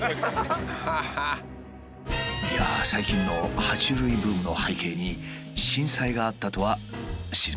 いやあ最近のは虫類ブームの背景に震災があったとは知りませんでした。